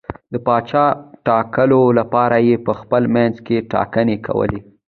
د پاچا ټاکلو لپاره یې په خپل منځ کې ټاکنې کولې.